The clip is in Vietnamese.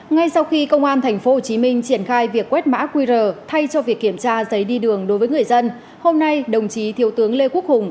ngay sau khi công an tp hcm triển khai việc quét mã qr thay cho việc kiểm tra giấy đi đường đối với người dân hôm nay đồng chí thiếu tướng lê quốc hùng